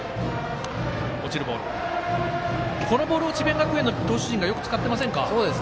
今のボールを智弁学園の投手陣、よく使っていませんか？